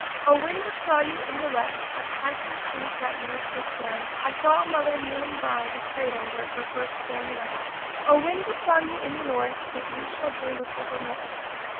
O, wind! what saw you in the West Of passing sweet that wooed your stay? I saw a mother kneeling by The cradle where her first born lay. O, wind! what saw you in the North That you shall dream of evermore?